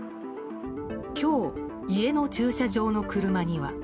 今日、家の駐車場の車には。